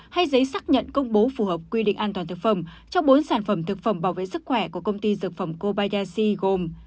hay giấy xác nhận công bố phù hợp quy định an toàn thực phẩm cho bốn sản phẩm thực phẩm bảo vệ sức khỏe của công ty dược phẩm kobayashi gồm